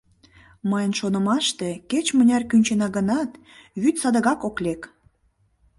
Мыйын шонымаште, кеч-мыняр кӱнчена гынат, вӱд садыгак ок лек.